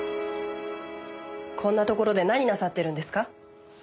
こんなところで何なさってるんですか？